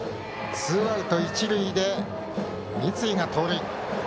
ツーアウト一塁で三井が盗塁。